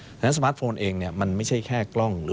ดังนั้นสมาร์ทโฟนเองไม่ใช่แค่กล้อง